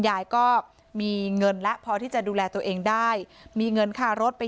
ยายก็มีเงินและพอที่จะดูแลตัวเองได้มีเงินค่ารถไป